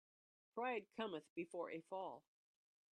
Pride cometh before a fall.